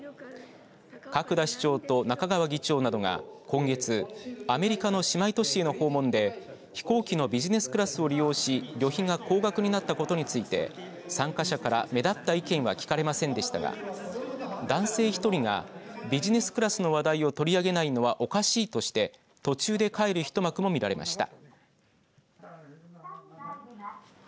角田市長と中川議長などが、今月アメリカの姉妹都市への訪問で飛行機のビジネスクラスを利用し旅費が高額になったことについて参加者から目立った意見は聞かれませんでしたが男性１人がビジネスクラスの話題を取り上げないのはおかしいとして途中で帰る一幕も見られました。